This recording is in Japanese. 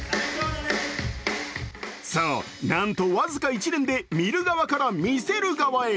そう、なんと僅か１年で見る側から見せる側へ。